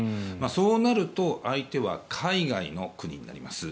そうなると相手は海外の国になります。